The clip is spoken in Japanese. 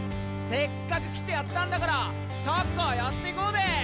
せっかく来てやったんだからサッカーやっていこうで！